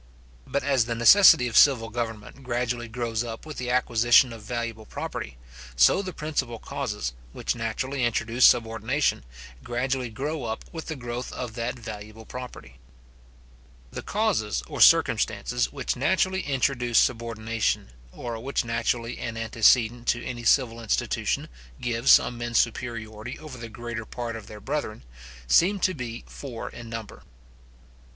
But as the necessity of civil government gradually grows up with the acquisition of valuable property; so the principal causes, which naturally introduce subordination, gradually grow up with the growth of that valuable property. The causes or circumstances which naturally introduce subordination, or which naturally and antecedent to any civil institution, give some men some superiority over the greater part of their brethren, seem to be four in number.